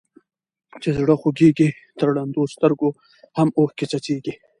چي زړه خوږيږي تر ړندو سترګو هم اوښکي څڅيږي.